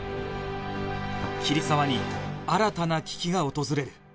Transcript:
桐沢に新たな危機が訪れる